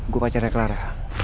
gua pacarnya clara